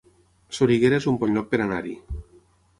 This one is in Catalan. Soriguera es un bon lloc per anar-hi